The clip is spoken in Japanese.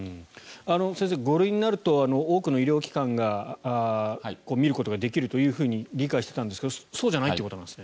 先生、５類になると多くの医療機関が診ることができるというふうに理解していたんですがそうじゃないということですね。